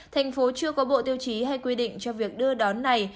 thành phố chưa có bộ tiêu chí hay quy định cho việc đưa đón này